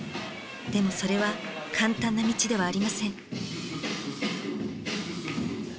でもそれは簡単な道ではありません。